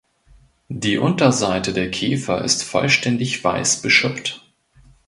Die Unterseite der Käfer ist vollständig weiß beschuppt.